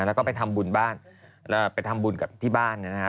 แล้วก็ไปทำบุญบ้านไปทำบุญกับที่บ้าน